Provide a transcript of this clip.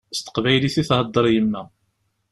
S teqbaylit i theddeṛ yemma.